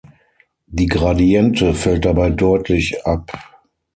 Die Gradiente fällt dabei deutlich ab.